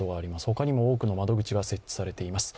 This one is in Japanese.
他にも多くの窓口が設置されています。